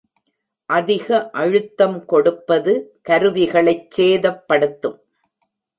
அதிக அழுத்தம் கொடுப்பது கருவிகளைச் சேதப்படுத்தும்.